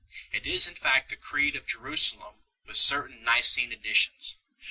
It is in fact the Creed of Jerusalem with certain Nicene additions 3